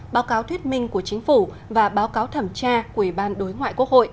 báo cáo thuyết minh của chính phủ và báo cáo thẩm tra của ubthq